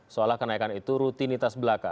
seolah kenaikan itu rutinitas belaka